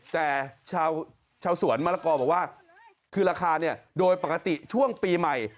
แต่ชาวสวนมะละกอบอกว่าคือราคาเนี่ยโดยปกติช่วงปีใหม่